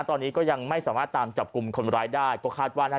ตอนนี้ก็ยังไม่สามารถตามจับกลุ่มคนร้ายได้ก็คาดว่านะฮะ